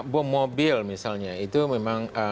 bom mobil misalnya itu memang